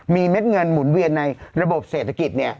มีเม็ดเงินหมุนเวียนในระบบเศรษฐกิจ